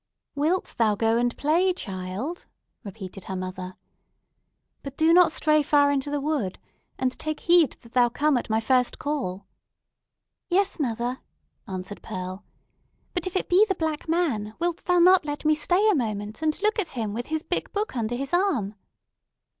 "Wilt thou go and play, child?" repeated her mother, "But do not stray far into the wood. And take heed that thou come at my first call." "Yes, mother," answered Pearl, "But if it be the Black Man, wilt thou not let me stay a moment, and look at him, with his big book under his arm?"